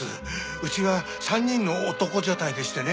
うちは３人の男所帯でしてね